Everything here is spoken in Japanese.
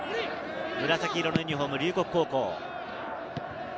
紫色のユニホーム、龍谷高校。